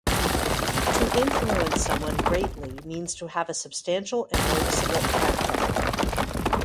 To influence someone greatly means to have a substantial and noticeable effect on them.